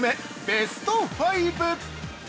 ベスト５！